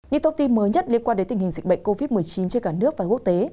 những thông tin mới nhất liên quan đến tình hình dịch bệnh covid một mươi chín trên cả nước và quốc tế